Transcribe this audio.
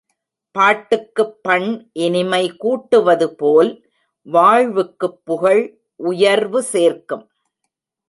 பாட்டுக்குப் பண் இனிமை கூட்டுவதுபோல் வாழ்வுக்குப் புகழ் உயர்வு சேர்க்கும்.